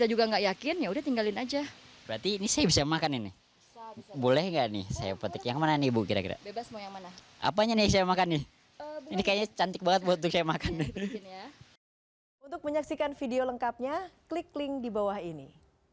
untuk menyaksikan video lengkapnya klik link di bawah ini